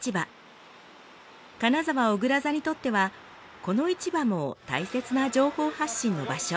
金沢おぐら座にとってはこの市場も大切な情報発信の場所。